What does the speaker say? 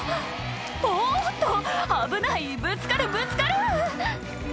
おっと危ないぶつかるぶつかる！